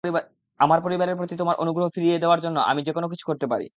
আমার পরিবারের প্রতি তোমার অনুগ্রহ ফিরিয়ে দেওয়ার জন্য আমি যেকোন কিছু করতে পারি।